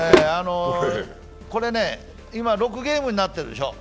これ、今６ゲームになってるでしょ？